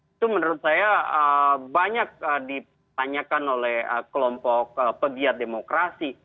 itu menurut saya banyak ditanyakan oleh kelompok pegiat demokrasi